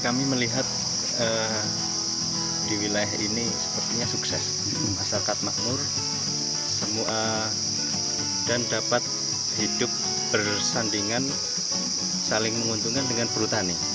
kami melihat di wilayah ini sepertinya sukses masyarakat makmur dan dapat hidup bersandingan saling menguntungkan dengan perutani